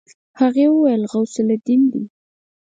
هغې وويل غوث الدين دی.